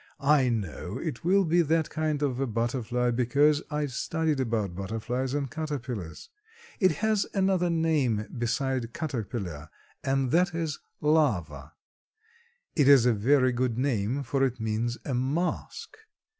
I know it will be that kind of a butterfly because I've studied about butterflies and caterpillars. It has another name beside caterpillar and that is larva. It is a very good name for it means a mask.